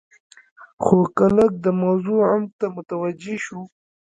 خو که لږ د موضوع عمق ته متوجې شو.